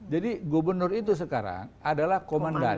gubernur itu sekarang adalah komandan